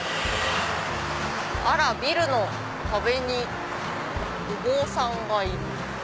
あらビルの壁にお坊さんがいる。